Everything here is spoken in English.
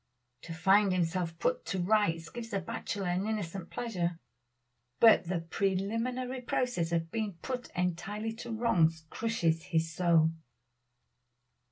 To find himself put to rights gives a bachelor an innocent pleasure, but the preliminary process of being put entirely to wrongs crushes his soul.